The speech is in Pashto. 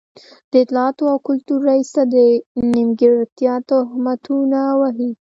د اطلاعاتو او کلتور رئيس ته د نیمګړتيا تهمتونه وهي.